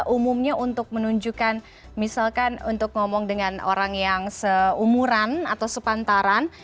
umumnya untuk menunjukkan misalkan untuk ngomong dengan orang yang seumuran atau sepantaran